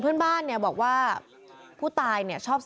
พุ่งเข้ามาแล้วกับแม่แค่สองคน